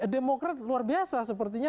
demokrat luar biasa sepertinya